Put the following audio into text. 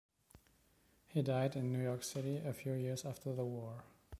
He died in New York City a few years after the war.